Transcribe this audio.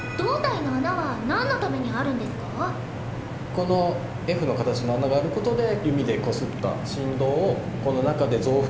このｆの形の穴があることで弓でこすった振動をこの中で増幅させ